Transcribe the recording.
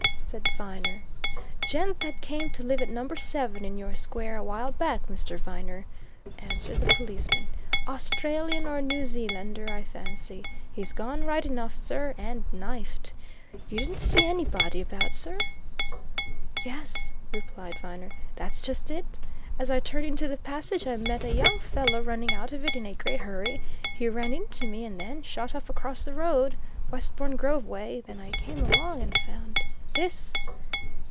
said Viner. "Gent that came to live at number seven in your square a while back, Mr. Viner," answered the policeman. "Australian or New Zealander, I fancy. He's gone right enough, sir! And knifed! You didn't see anybody about, sir?" "Yes," replied Viner, "that's just it. As I turned into the passage, I met a young fellow running out of it in a great hurry he ran into me, and then, shot off across the road, Westbourne Grove way. Then I came along and found this!"